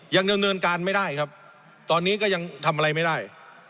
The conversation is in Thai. ยังดำเนินการไม่ได้ครับตอนนี้ก็ยังทำอะไรไม่ได้